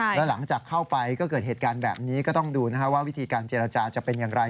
แล้วหลังจากเข้าไปก็เกิดเหตุการณ์แบบนี้ก็ต้องดูว่าวิธีการเจรจาจะเป็นอย่างไร